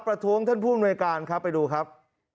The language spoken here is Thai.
ประท้วงท่านผู้อำนวยการครับไปดูครับ